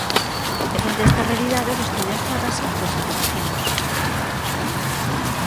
E fronte a esta realidade vostede enfádase porque llo dicimos.